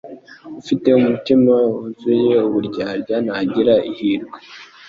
Ufite umutima wuzuye uburyarya ntagira ihirwe